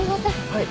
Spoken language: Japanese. はい。